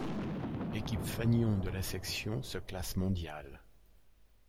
L'équipe fanion de la section se classe mondial.